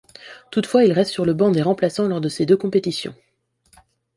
Toutefois, il reste sur le banc des remplaçants lors de ces deux compétitions.